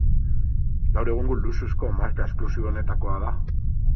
Gaur egungo luxuzko marka esklusiboenetakoa da.